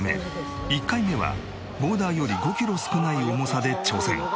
１回目はボーダーより５キロ少ない重さで挑戦。